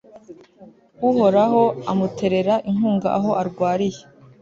uhoraho amuterera inkunga aho arwariye